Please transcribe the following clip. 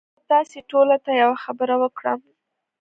زه به تاسي ټوله ته یوه خبره وکړم